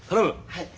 はい。